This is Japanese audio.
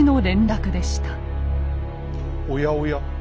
おやおや？